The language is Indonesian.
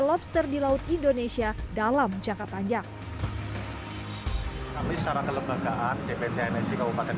lobster di laut indonesia dalam jangka panjang kami secara kelembagaan dpcn sikau paket